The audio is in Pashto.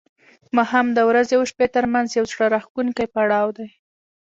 ماښام د ورځې او شپې ترمنځ یو زړه راښکونکی پړاو دی.